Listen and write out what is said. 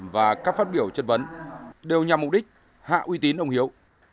và các phát biểu chất vấn đều nhằm mục đích hạ uy tín ông hiếu